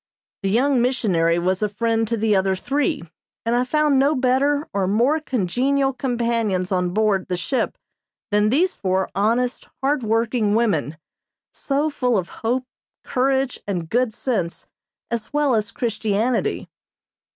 The young missionary was a friend to the other three, and I found no better or more congenial companions on board the ship than these four honest, hard working women, so full of hope, courage and good sense as well as Christianity.